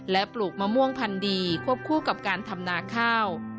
และปลูกมะม่วงพันดีควบคู่กับการทำนาข้าว